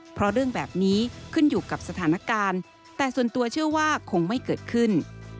เพราะเรื่องแบบนี้ขึ้นอยู่กับสถานการณ์แต่ส่วนตัวเชื่อว่าคงไม่เกิดขึ้น